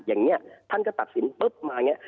อย่างนี้ท่านก็ตัดสินปุ๊บมาอย่างนี้